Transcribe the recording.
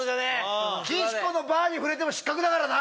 岸子のバーに触れても失格だからな。